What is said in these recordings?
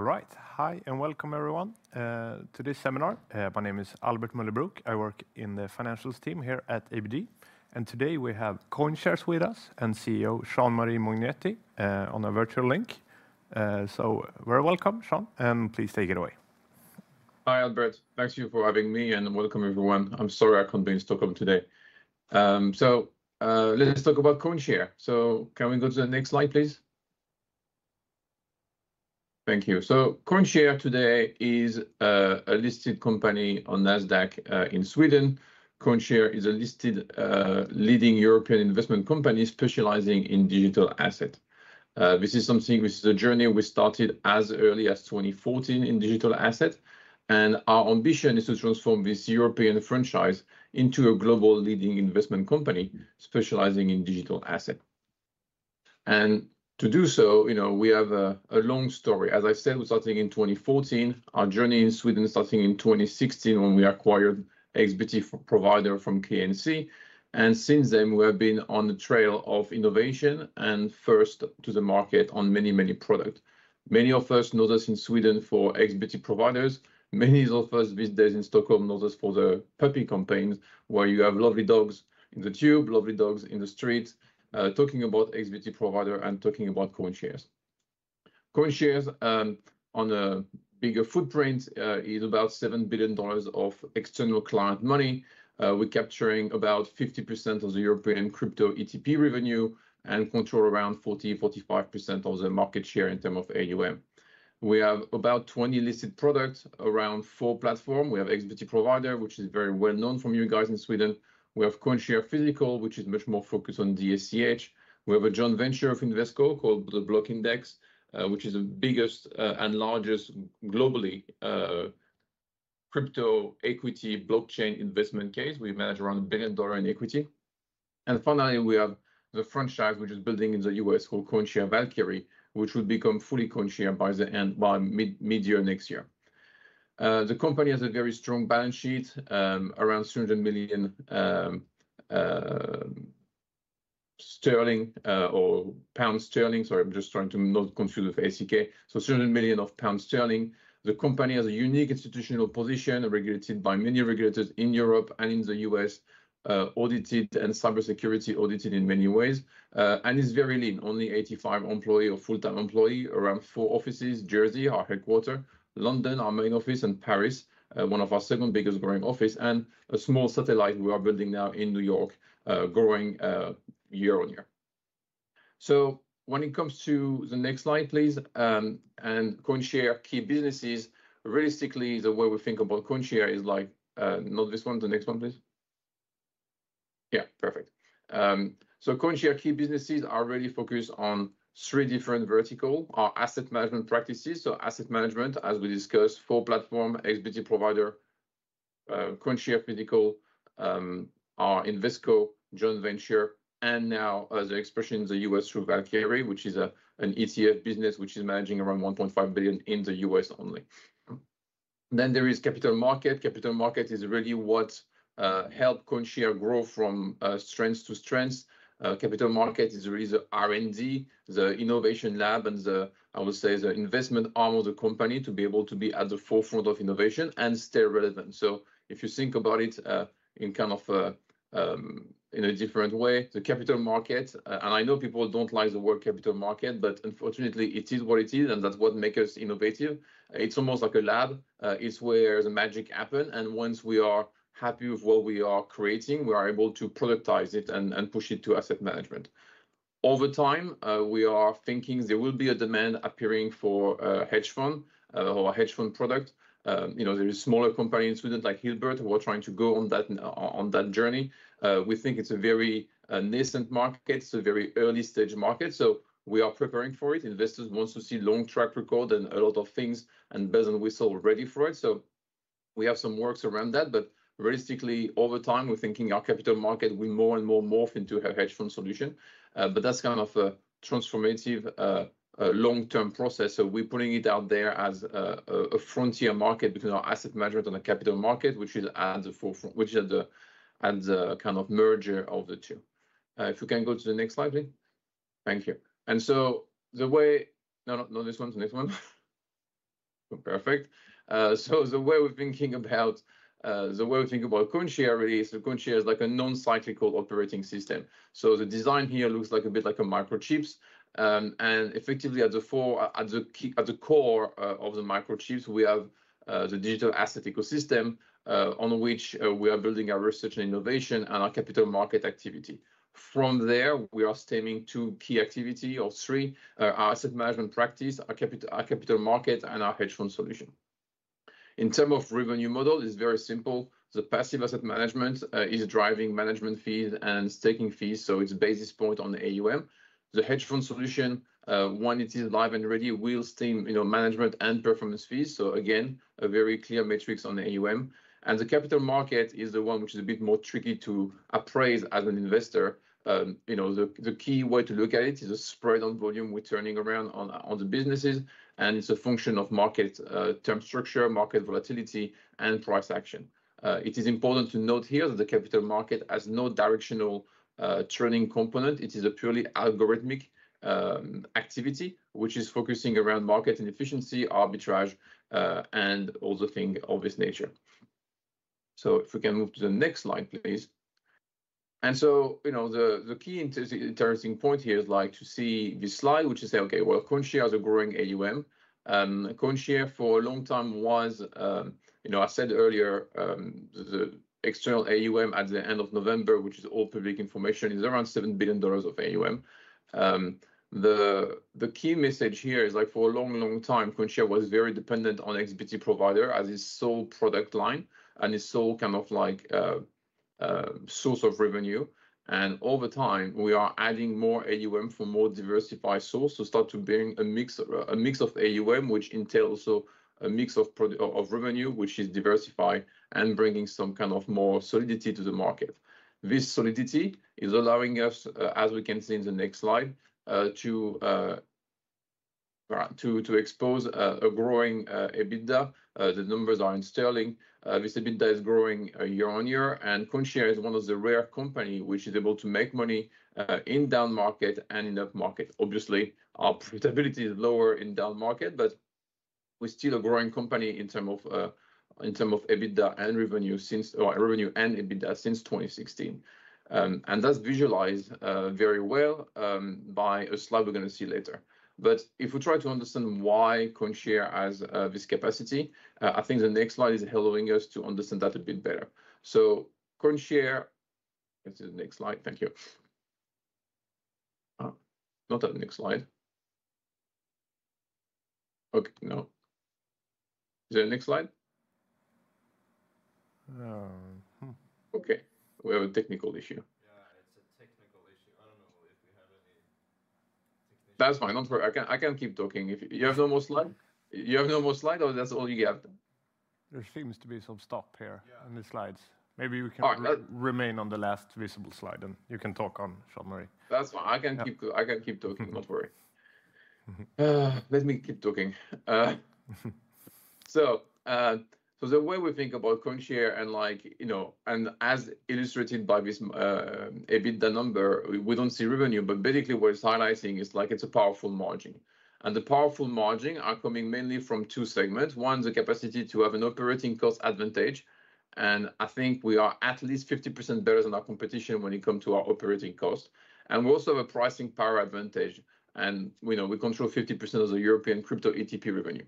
All right, hi, and welcome everyone. Today's seminar, my name is Albert Möller Broock. I work in the financials team here at ABG, and today we have CoinShares with us and CEO Jean-Marie Mognetti on a virtual link, so very welcome, Jean-Marie, and please take it away. Hi Albert, thanks for having me and welcome everyone. I'm sorry I can't be in Stockholm today. So, let's talk about CoinShares. So can we go to the next slide, please? Thank you. So CoinShares today is a listed company on Nasdaq in Sweden. CoinShares is a listed leading European investment company specializing in digital assets. This is something. This is a journey we started as early as 2014 in digital assets, and our ambition is to transform this European franchise into a global leading investment company specializing in digital assets. And to do so, you know, we have a long story. As I said, we're starting in 2014. Our journey in Sweden started in 2016 when we acquired an XBT Provider from KnC. And since then, we have been on the trail of innovation and first to the market on many, many products. Many of us know us in Sweden for XBT Provider. Many of us these days in Stockholm know us for the puppy campaigns where you have lovely dogs in the tube, lovely dogs in the streets, talking about XBT Provider and talking about CoinShares. CoinShares, on a bigger footprint, is about $7 billion of external client money. We're capturing about 50% of the European crypto ETP revenue and control around 40%-45% of the market share in terms of AUM. We have about 20 listed products, around four platforms. We have XBT Provider, which is very well known from you guys in Sweden. We have CoinShares Physical, which is much more focused on DACH. We have a joint venture of Invesco called the Blockchain Index, which is the biggest, and largest globally, crypto equity blockchain investment case. We manage around $1 billion in equity. And finally, we have the franchise, which is building in the U.S. called CoinShares Valkyrie, which will become fully CoinShares by the end, by mid-year next year. The company has a very strong balance sheet, around 300 million sterling. Sorry, I'm just trying to not confuse with SEK. So, 300 million pounds. The company has a unique institutional position regulated by many regulators in Europe and in the U.S., audited and cybersecurity audited in many ways, and is very lean, only 85 employees or full-time employees, around four offices: Jersey, our headquarters; London, our main office; and Paris, one of our second biggest growing offices; and a small satellite we are building now in New York, growing, year on year. So, when it comes to the next slide, please, and CoinShares key businesses, realistically, the way we think about CoinShares is like, not this one, the next one, please. Yeah, perfect. CoinShares key businesses are really focused on three different verticals: our asset management practices, so asset management, as we discussed, four platforms, XBT Provider, CoinShares Physical, our Invesco joint venture, and now, as I expressed in the U.S., through Valkyrie, which is an ETF business, which is managing around $1.5 billion in the U.S. only. Then there is Capital Markets. Capital Markets is really what helped CoinShares grow from strength to strength. Capital Markets is really the R&D, the innovation lab, and the, I would say, the investment arm of the company to be able to be at the forefront of innovation and stay relevant. So, if you think about it in kind of in a different way, the capital market, and I know people don't like the word capital market, but unfortunately, it is what it is, and that's what makes us innovative. It's almost like a lab. It's where the magic happens, and once we are happy with what we are creating, we are able to productize it and push it to asset management. Over time, we are thinking there will be a demand appearing for hedge fund or a hedge fund product. You know, there are smaller companies in Sweden like Hilbert who are trying to go on that journey. We think it's a very nascent market. It's a very early stage market. So, we are preparing for it. Investors want to see long track record and a lot of things and bells and whistles ready for it. So, we have some work around that, but realistically, over time, we're thinking our Capital Markets will more and more morph into a hedge fund solution, but that's kind of a transformative, long-term process. So, we're putting it out there as a frontier market between our Asset Management and the Capital Markets, which is at the forefront, which is at the, at the kind of merger of the two. If you can go to the next slide, please. Thank you. And so, the way—no, no, no, this one, the next one. Perfect. So the way we're thinking about, the way we think about CoinShares, really, is that CoinShares is like a non-cyclical operating system. So, the design here looks like a bit like a microchip. And effectively, at the core of the microchips, we have the digital asset ecosystem on which we are building our research and innovation and our capital market activity. From there, we are stemming two key activities or three, our asset management practice, our capital market, and our hedge fund solution. In terms of revenue model, it's very simple. The passive asset management is driving management fees and staking fees, so it's a basis point on the AUM. The hedge fund solution, when it is live and ready, will stem, you know, management and performance fees. So, again, a very clear metrics on the AUM. And the capital market is the one which is a bit more tricky to appraise as an investor. You know, the key way to look at it is a spread on volume we're turning around on the businesses, and it's a function of market term structure, market volatility, and price action. It is important to note here that the Capital Markets has no directional turning component. It is a purely algorithmic activity, which is focusing around market inefficiency, arbitrage, and all the things of this nature. If we can move to the next slide, please. You know, the key interesting point here is like to see this slide, which is, say, okay, well, CoinShares has a growing AUM. CoinShares for a long time was, you know, I said earlier, the external AUM at the end of November, which is all public information, is around $7 billion of AUM. The key message here is like for a long, long time, CoinShares was very dependent on XBT Provider as its sole product line and its sole kind of like source of revenue. And over time, we are adding more AUM from more diversified sources to start to bring a mix of AUM, which entails also a mix of profile of revenue, which is diversified and bringing some kind of more solidity to the market. This solidity is allowing us, as we can see in the next slide, to expose a growing EBITDA. The numbers are in sterling. This EBITDA is growing year on year, and CoinShares is one of the rare companies which is able to make money in down market and in up market. Obviously, our profitability is lower in down market, but we're still a growing company in terms of, in terms of EBITDA and revenue since, or revenue and EBITDA since 2016, and that's visualized very well by a slide we're going to see later. But if we try to understand why CoinShares has this capacity, I think the next slide is allowing us to understand that a bit better. So, CoinShares, let's see the next slide. Thank you. Not that next slide. Okay, no. Is there a next slide? Okay, we have a technical issue. Yeah, it's a technical issue. I don't know if we have any technical. That's fine. Don't worry. I can keep talking. If you have no more slide, or that's all you got. There seems to be some stop here in the slides. Maybe we can remain on the last visible slide, and you can talk on, Jean-Marie. That's fine. I can keep talking. Don't worry. Let me keep talking. So the way we think about CoinShares and like, you know, and as illustrated by this EBITDA number, we don't see revenue, but basically what it's highlighting is like it's a powerful margin. And the powerful margin is coming mainly from two segments. One, the capacity to have an operating cost advantage. And I think we are at least 50% better than our competition when it comes to our operating cost. And we also have a pricing power advantage. And, you know, we control 50% of the European crypto ETP revenue.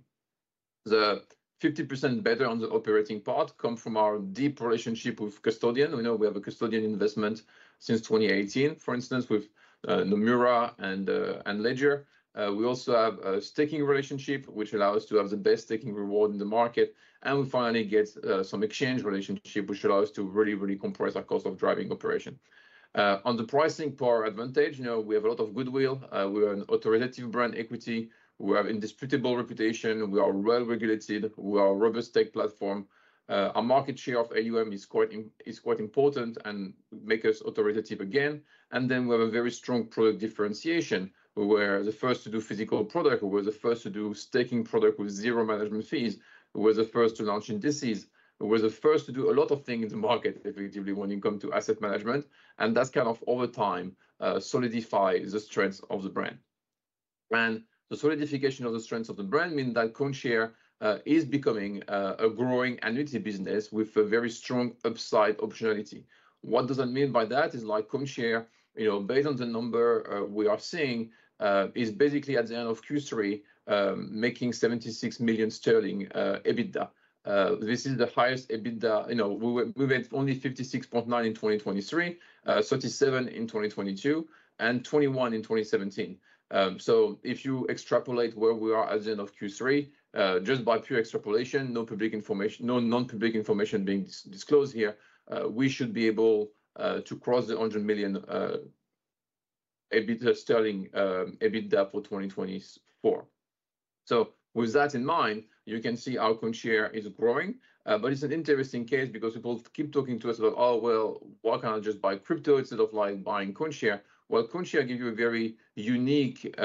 The 50% better on the operating part comes from our deep relationship with custodians. We now have a custodian investment since 2018, for instance, with Nomura and Ledger. We also have a staking relationship, which allows us to have the best staking reward in the market. And we finally get some exchange relationship, which allows us to really, really compress our cost of driving operation. On the pricing power advantage, you know, we have a lot of goodwill. We are an authoritative brand equity. We have indisputable reputation. We are well-regulated. We are a robust tech platform. Our market share of AUM is quite important and makes us authoritative again. And then we have a very strong product differentiation. We were the first to do physical product. We were the first to do staking product with zero management fees. We were the first to launch indices where we were the first to do a lot of things in the market, effectively, when it comes to asset management. That's kind of over time, solidified the strength of the brand. The solidification of the strength of the brand means that CoinShares is becoming a growing annuity business with a very strong upside optionality. What does that mean by that is like CoinShares, you know, based on the number we are seeing is basically at the end of Q3 making 76 million sterling EBITDA. This is the highest EBITDA, you know, we went only 56.9 million in 2023, 37 million in 2022, and 21 million in 2017. If you extrapolate where we are at the end of Q3 just by pure extrapolation, no public information, no non-public information being disclosed here, we should be able to cross the 100 million sterling EBITDA for 2024. With that in mind, you can see how CoinShares is growing. But it's an interesting case because people keep talking to us about, oh, well, why can't I just buy crypto instead of like buying CoinShares? Well, CoinShares gives you a very unique,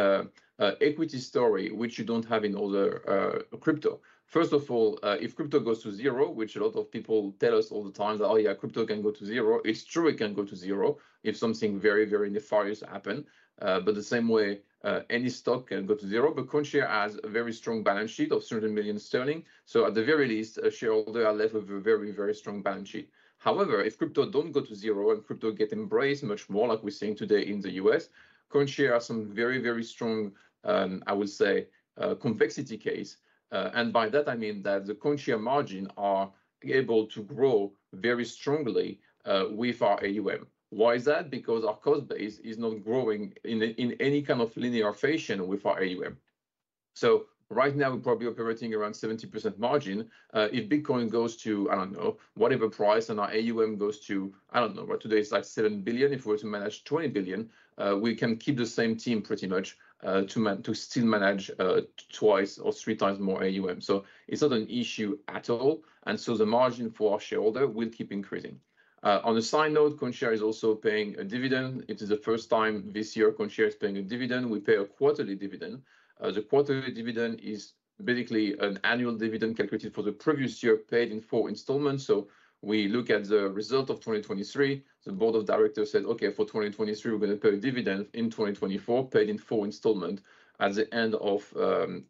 equity story, which you don't have in all the, crypto. First of all, if crypto goes to zero, which a lot of people tell us all the time that, oh yeah, crypto can go to zero, it's true, it can go to zero if something very, very nefarious happens. But the same way, any stock can go to zero. But CoinShares has a very strong balance sheet of 300 million sterling. So, at the very least, a shareholder is left with a very, very strong balance sheet. However, if crypto doesn't go to zero and crypto gets embraced much more, like we're seeing today in the U.S., CoinShares has some very, very strong, I would say, complexity case. And by that, I mean that the CoinShares margins are able to grow very strongly, with our AUM. Why is that? Because our cost base is not growing in any kind of linear fashion with our AUM. So, right now, we're probably operating around 70% margin. If Bitcoin goes to, I don't know, whatever price and our AUM goes to, I don't know, right today, it's like $7 billion. If we were to manage $20 billion, we can keep the same team pretty much, to manage to still manage, twice or three times more AUM. So, it's not an issue at all. And so, the margin for our shareholders will keep increasing. On a side note, CoinShares is also paying a dividend. It is the first time this year CoinShares is paying a dividend. We pay a quarterly dividend. The quarterly dividend is basically an annual dividend calculated for the previous year paid in four installments. So, we look at the result of 2023. The board of directors said, okay, for 2023, we're going to pay a dividend in 2024 paid in four installments at the end of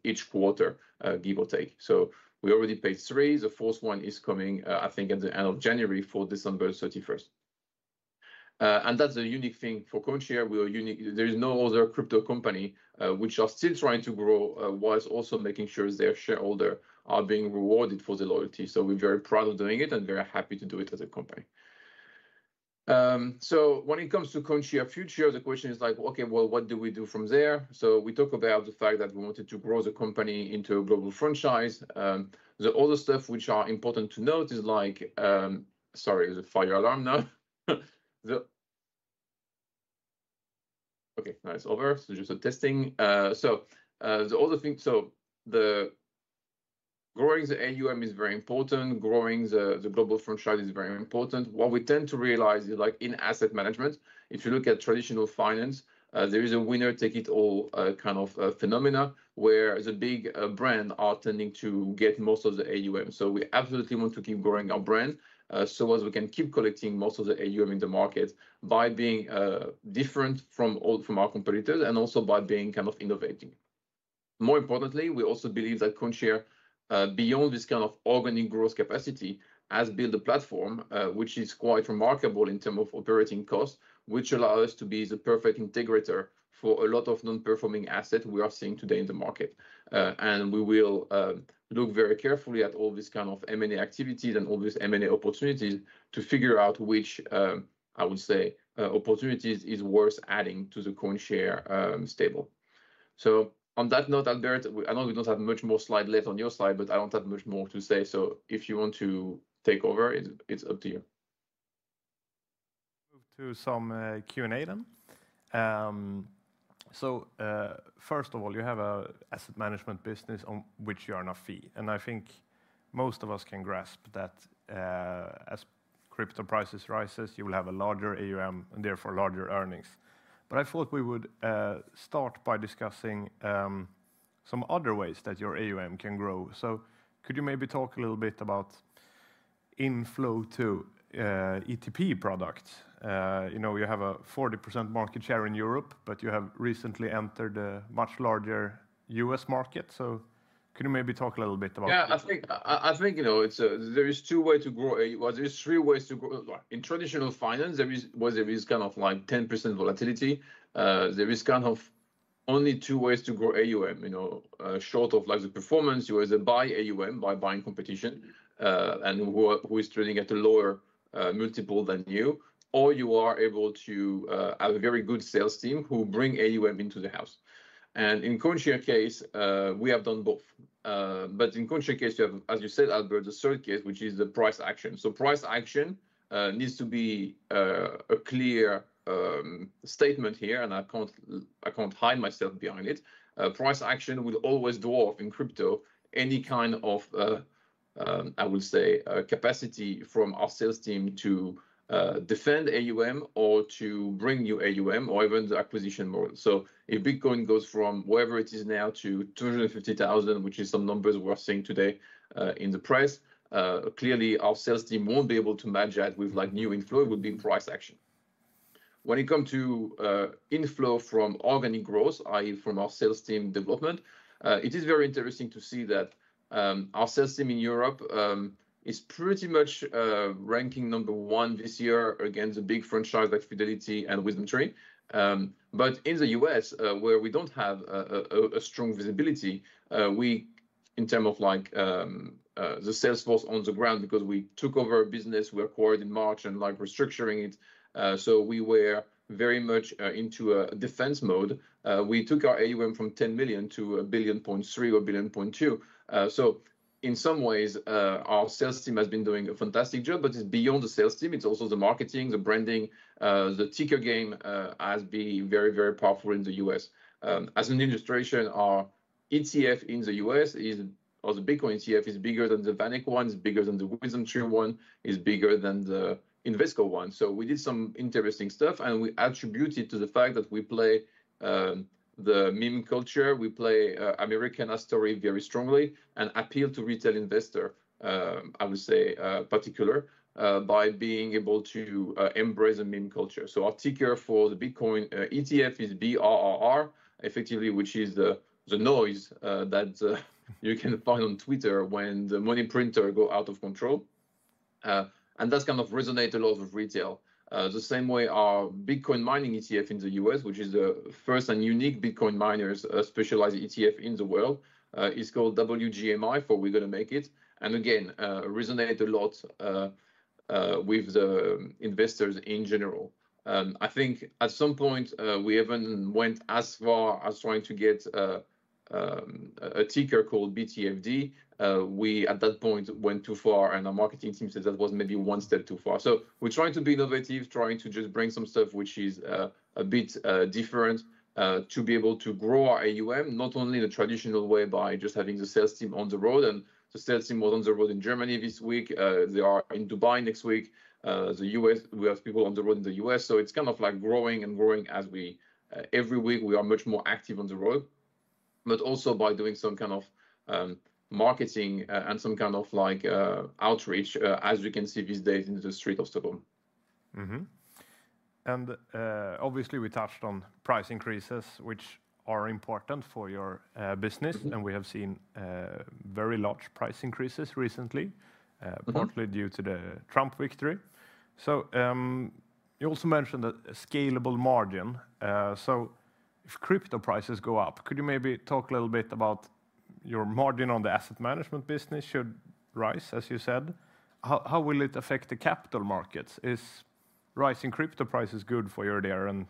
each quarter, give or take. So, we already paid three. The fourth one is coming, I think at the end of January for December 31st. And that's a unique thing for CoinShares. We are unique. There is no other crypto company, which are still trying to grow, while also making sure their shareholders are being rewarded for their loyalty. So, we're very proud of doing it and very happy to do it as a company. So when it comes to CoinShares future, the question is like, okay, well, what do we do from there? We talk about the fact that we wanted to grow the company into a global franchise. The other stuff which is important to note is like, sorry, the fire alarm now. Okay, now it's over. Just testing. The other thing, the growing the AUM is very important. Growing the global franchise is very important. What we tend to realize is like in asset management, if you look at traditional finance, there is a winner-take-all kind of phenomenon where the big brands are tending to get most of the AUM. We absolutely want to keep growing our brand so as we can keep collecting most of the AUM in the market by being different from all our competitors and also by being kind of innovating. More importantly, we also believe that CoinShares, beyond this kind of organic growth capacity, has built a platform, which is quite remarkable in terms of operating costs, which allows us to be the perfect integrator for a lot of non-performing assets we are seeing today in the market, and we will look very carefully at all this kind of M&A activities and all these M&A opportunities to figure out which, I would say, opportunities are worth adding to the CoinShares stable. So, on that note, Albert, I know we don't have much more slide left on your slide, but I don't have much more to say. So, if you want to take over, it's up to you. Move to some Q&A then. So, first of all, you have an asset management business on which you are on a fee. And I think most of us can grasp that, as crypto prices rise, you will have a larger AUM and therefore larger earnings. But I thought we would start by discussing some other ways that your AUM can grow. So, could you maybe talk a little bit about inflow to ETP products? You know, you have a 40% market share in Europe, but you have recently entered a much larger U.S. market. So, could you maybe talk a little bit about that? Yeah, I think, you know, it's a, there is two ways to grow, or there are three ways to grow. Like in traditional finance, there is, where there is kind of like 10% volatility, there is kind of only two ways to grow AUM, you know, short of like the performance, you either buy AUM by buying competition, and who is trading at a lower, multiple than you, or you are able to, have a very good sales team who bring AUM into the house. And in CoinShares case, we have done both. But in CoinShares case, you have, as you said, Albert, the third case, which is the price action. So, price action needs to be a clear statement here, and I can't hide myself behind it. Price action will always dwarf in crypto any kind of, I would say, capacity from our sales team to, defend AUM or to bring new AUM or even the acquisition model. So, if Bitcoin goes from wherever it is now to 250,000, which is some numbers we're seeing today, in the press, clearly our sales team won't be able to match that with like new inflow. It would be price action. When it comes to, inflow from organic growth, i.e., from our sales team development, it is very interesting to see that, our sales team in Europe, is pretty much, ranking number one this year against the big franchise like Fidelity and WisdomTree. But in the U.S., where we don't have a strong visibility, we in terms of like, the sales force on the ground, because we took over a business we acquired in March and like restructuring it, so we were very much into a defense mode. We took our AUM from $10 million to $1.3 billion or $1.2 billion. So in some ways, our sales team has been doing a fantastic job, but it's beyond the sales team. It's also the marketing, the branding, the ticker game, has been very, very powerful in the U.S.. As an illustration, our ETF in the U.S. is, or the Bitcoin ETF is bigger than the VanEck one, is bigger than the WisdomTree one, is bigger than the Invesco one. So, we did some interesting stuff, and we attribute it to the fact that we play the meme culture. We play the American story very strongly and appeal to retail investors, I would say, particularly by being able to embrace a meme culture. So, our ticker for the Bitcoin ETF is BRRR, effectively, which is the noise that you can find on Twitter when the money printer goes out of control. And that kind of resonates a lot with retail. The same way our Bitcoin mining ETF in the U.S., which is the first and unique Bitcoin miners specialized ETF in the world, is called WGMI for We're Gonna Make It. And again, resonates a lot with the investors in general. I think at some point, we even went as far as trying to get a ticker called BTFD. We at that point went too far, and our marketing team said that was maybe one step too far. We're trying to be innovative, trying to just bring some stuff which is a bit different, to be able to grow our AUM, not only in a traditional way by just having the sales team on the road. The sales team was on the road in Germany this week. They are in Dubai next week. The U.S., we have people on the road in the U.S.. It's kind of like growing and growing as we every week we are much more active on the road, but also by doing some kind of marketing, and some kind of like outreach, as you can see these days in the street of Stockholm. Mm-hmm. And, obviously we touched on price increases, which are important for your business. And we have seen very large price increases recently, partly due to the Trump victory. So, you also mentioned that scalable margin. So if crypto prices go up, could you maybe talk a little bit about your margin on the asset management business should rise, as you said? How will it affect the capital markets? Is rising crypto prices good for your R&D?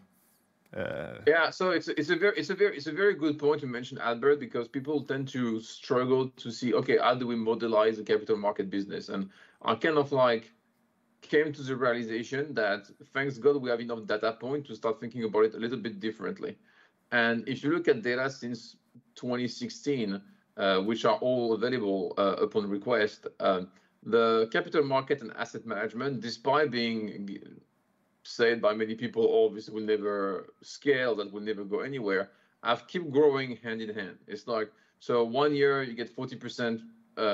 Yeah, so it's a very good point you mentioned, Albert, because people tend to struggle to see, okay, how do we modernize the capital market business? And I kind of like came to the realization that thank God we have enough data points to start thinking about it a little bit differently. And if you look at data since 2016, which are all available upon request, the capital market and asset management, despite being said by many people, obviously will never scale, that will never go anywhere, have kept growing hand in hand. It's like, so one year you get 40%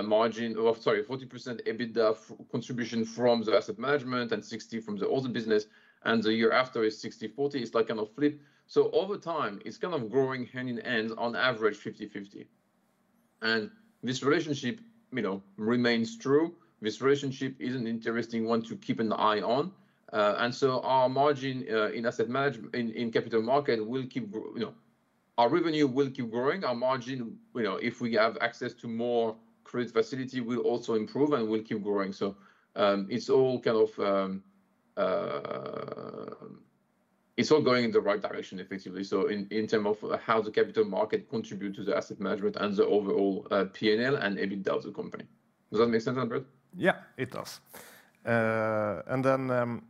margin or sorry, 40% EBITDA contribution from the asset management and 60% from the other business, and the year after is 60/40. It's like kind of flip. So, over time, it's kind of growing hand in hand on average 50/50. And this relationship, you know, remains true. This relationship is an interesting one to keep an eye on. And so our margin, in asset management, in capital market will keep, you know, our revenue will keep growing. Our margin, you know, if we have access to more credit facility, will also improve and will keep growing. So, it's all kind of, it's all going in the right direction, effectively. So, in terms of how the capital market contributes to the asset management and the overall, P&L and EBITDA of the company. Does that make sense, Albert? Yeah, it does. And then,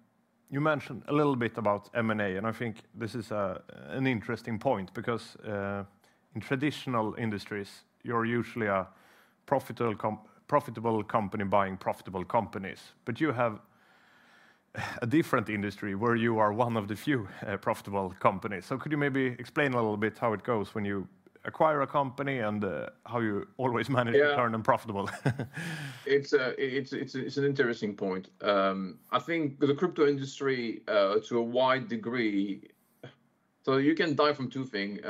you mentioned a little bit about M&A, and I think this is a, an interesting point because, in traditional industries, you're usually a profitable, profitable company buying profitable companies, but you have a different industry where you are one of the few profitable companies. So, could you maybe explain a little bit how it goes when you acquire a company and how you always manage to turn them profitable? It's an interesting point. I think the crypto industry, to a wide degree, so you can die from two things,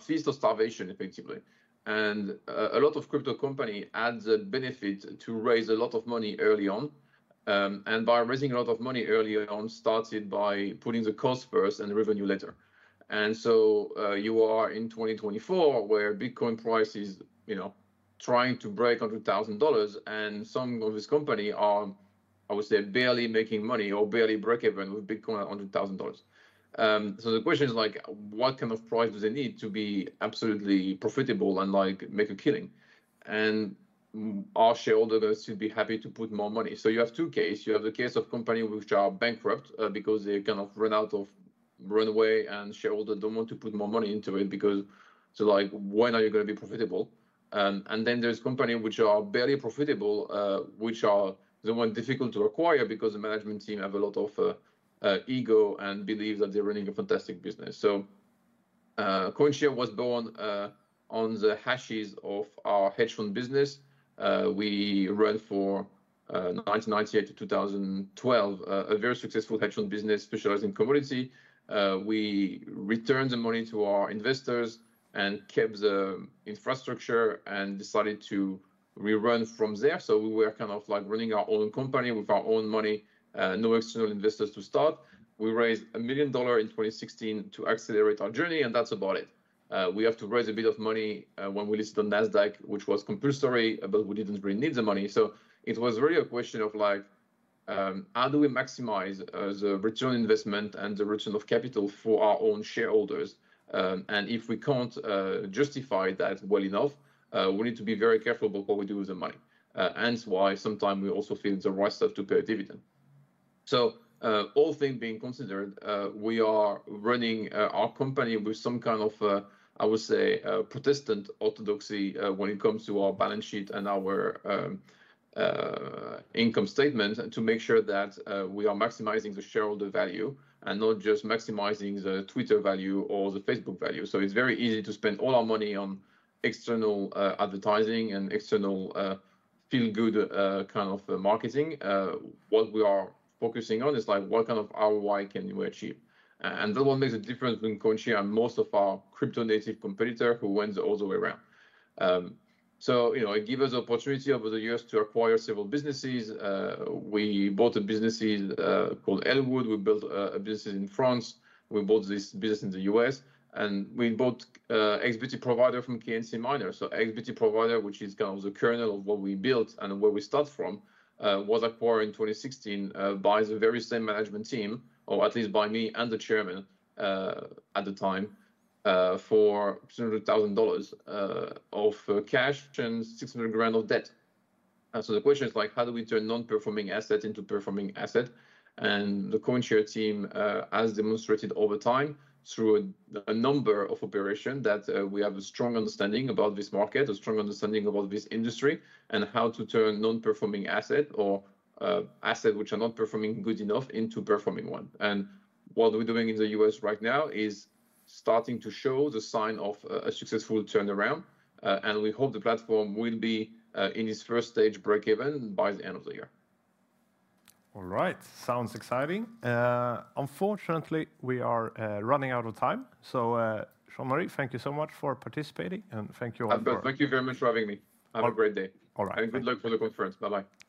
feast or starvation, effectively, a lot of crypto companies had the benefit to raise a lot of money early on and by raising a lot of money early on, started by putting the cost first and the revenue later, so you are in 2024 where Bitcoin price is, you know, trying to break $100,000 and some of these companies are, I would say, barely making money or barely break even with Bitcoin at $100,000, so the question is like, what kind of price do they need to be absolutely profitable and like make a killing, and our shareholders should be happy to put more money, so you have two cases. You have the case of companies which are bankrupt, because they kind of run out of runway and shareholders don't want to put more money into it because it's like, when are you going to be profitable? And then there's companies which are barely profitable, which are the ones difficult to acquire because the management team has a lot of ego and believes that they're running a fantastic business. So, CoinShares was born on the ashes of our hedge fund business. We ran from 1998 to 2012 a very successful hedge fund business specialized in commodities. We returned the money to our investors and kept the infrastructure and decided to run from there. So, we were kind of like running our own company with our own money, no external investors to start. We raised $1 million in 2016 to accelerate our journey, and that's about it. We have to raise a bit of money when we listed on Nasdaq, which was compulsory, but we didn't really need the money. So, it was really a question of like, how do we maximize the return on investment and the return of capital for our own shareholders? And if we can't justify that well enough, we need to be very careful about what we do with the money. Hence why sometimes we also feel the right stuff to pay a dividend. So, all things being considered, we are running our company with some kind of, I would say, Protestant orthodoxy when it comes to our balance sheet and our income statement to make sure that we are maximizing the shareholder value and not just maximizing the Twitter value or the Facebook value. It's very easy to spend all our money on external advertising and external feel-good kind of marketing. What we are focusing on is like what kind of ROI can we achieve? That one makes a difference between CoinShares and most of our crypto-native competitors who went the other way around. You know, it gave us the opportunity over the years to acquire several businesses. We bought a business called Elwood. We built a business in France. We bought this business in the U.S., and we bought an XBT Provider from KnC Group. XBT Provider, which is kind of the kernel of what we built and where we start from, was acquired in 2016 by the very same management team, or at least by me and the chairman at the time, for $200,000 of cash and $600,000 of debt. So, the question is like, how do we turn non-performing asset into performing asset? The CoinShares team has demonstrated over time through a number of operations that we have a strong understanding about this market, a strong understanding about this industry, and how to turn non-performing asset or asset which are not performing good enough into performing one. What we're doing in the U.S. right now is starting to show the sign of a successful turnaround, and we hope the platform will be, in its first stage, break even by the end of the year. All right. Sounds exciting. Unfortunately, we are running out of time. So, Jean-Marie, thank you so much for participating, and thank you all for coming. Albert, thank you very much for having me. Have a great day. All right. Good luck for the conference. Bye-bye. Thank you. Bye.